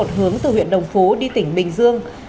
hướng từ huyện đồng phú đi tỉnh bình dương